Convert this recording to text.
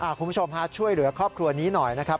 คุณผู้ชมฮะช่วยเหลือครอบครัวนี้หน่อยนะครับ